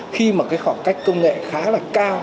khi mà cái khoảng cách công nghệ khá là cao